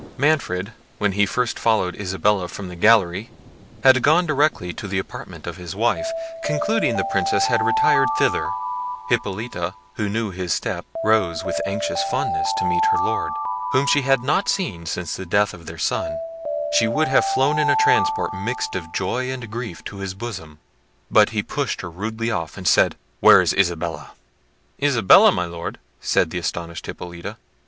Manfred, when he first followed Isabella from the gallery, had gone directly to the apartment of his wife, concluding the Princess had retired thither. Hippolita, who knew his step, rose with anxious fondness to meet her Lord, whom she had not seen since the death of their son. She would have flown in a transport mixed of joy and grief to his bosom, but he pushed her rudely off, and said— "Where is Isabella?" "Isabella! my Lord!" said the astonished Hippolita.